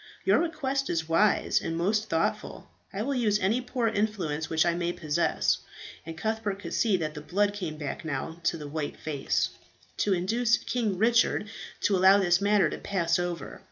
"Your request is wise and most thoughtful. I will use any poor influence which I may possess" and Cuthbert could see that the blood came back now to the white face "to induce King Richard to allow this matter to pass over.